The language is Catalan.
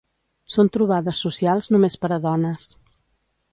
Són trobades socials només per a dones.